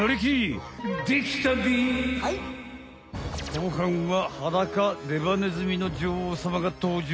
後半はハダカデバネズミの女王様が登場！